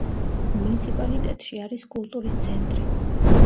მუნიციპალიტეტში არის კულტურის ცენტრი.